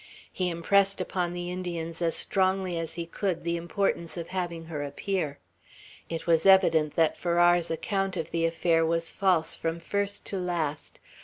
He impressed upon the Indians as strongly as he could the importance of having her appear. It was evident that Farrar's account of the affair was false from first to last.